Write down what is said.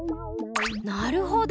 なるほど！